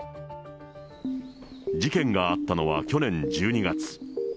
事件があったのは去年１２月。